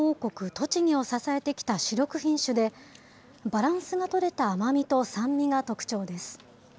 栃木を支えてきた主力品種で、バランスの取れた甘みと酸味が特徴です。